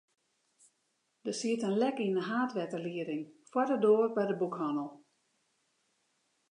Der siet in lek yn de haadwetterlieding foar de doar by de boekhannel.